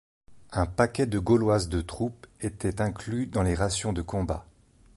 Un paquet de Gauloises de troupe était inclus dans les rations de combat.